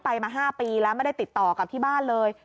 มา๕ปีแล้วไม่ได้ติดต่อกับที่บ้านเลย